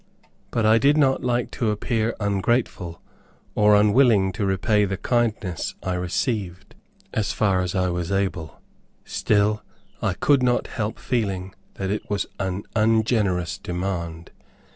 But I did not like to appear ungrateful, or unwilling to repay the kindness I received, as far as I was able; still I could not help feeling that it was an ungenerous demand.